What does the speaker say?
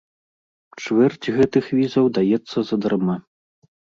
Чвэрць гэтых візаў даецца задарма.